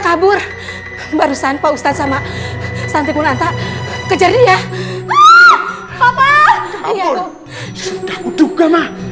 kabur barusan pak ustadz sama santikunan tak kejar dia